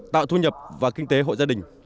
tạo thu nhập và kinh tế hội gia đình